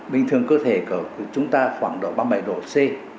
bình thường cơ thể chúng ta khoảng độ ba mươi bảy độ c